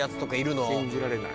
信じられない。